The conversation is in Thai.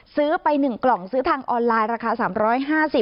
ซื้อไป๑กล่องซื้อทางออนไลน์ราคา๓๕๐บาท